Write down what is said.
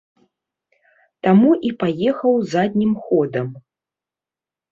Таму і паехаў заднім ходам.